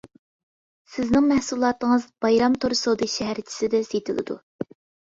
سىزنىڭ مەھسۇلاتىڭىز بايرام تور سودا شەھەرچىسىدە سېتىلىدۇ.